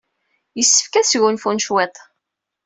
Yessefk ad sgunfun cwiṭ.